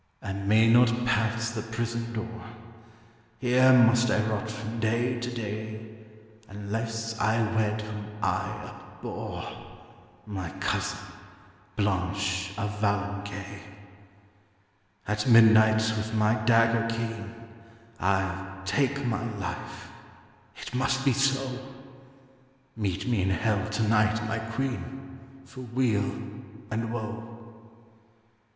'I may not pass the prison door; Here must I rot from day to day, Unless I wed whom I abhor, My cousin, Blanche of Valencay. 'At midnight with my dagger keen, I'll take my life; it must be so. Meet me in hell to night, my queen, For weal and woe.'